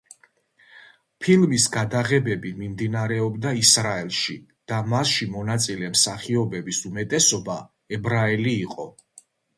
ფილმის გადაღებები მიმდინარეობდა ისრაელში და მასში მონაწილე მსახიობების უმეტესობა ებრაელი იყო.